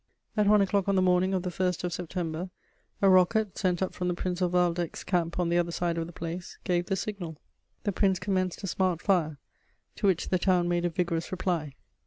At one o'clock on the morning of the 1st of September, a rocket, sent up from the Prince of Waldeck's camp on the other side of the place, gave the signal. The Prince commenced a smart fire, to which the town made a vigorous reply.